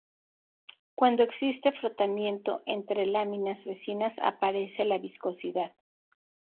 Cuando existe frotamiento entre láminas vecinas aparece la viscosidad.